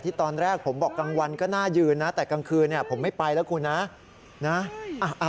ตอนแรกผมบอกกลางวันก็น่ายืนนะแต่กลางคืนผมไม่ไปแล้วคุณนะ